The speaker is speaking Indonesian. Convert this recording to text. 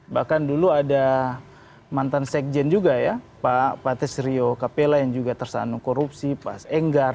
bahkan dulu ada mantan sekjen juga ya pak pates rio capella yang juga tersanung korupsi pak enggar